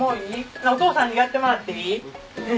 じゃあお父さんにやってもらっていい？